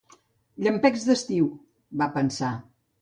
"Llampecs d'estiu", va pensar.